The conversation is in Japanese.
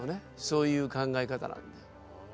そういう考え方なんで。